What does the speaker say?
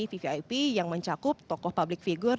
vvip yang mencakup tokoh public figure